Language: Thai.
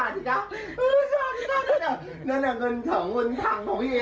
อัฮแนทอ่ะแลกกันวีนายวันเกิดฉันก็ซื้อเออเอ่อในนี้เธอ